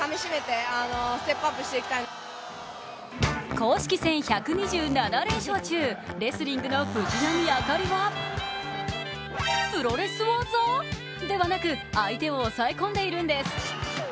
公式戦１２７連勝中、レスリングの藤波朱理がプロレス技？ではなく相手を押さえ込んでいるんです。